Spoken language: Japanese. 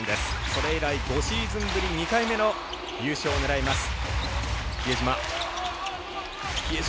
それ以来、５シーズンぶり２回目の優勝を狙います。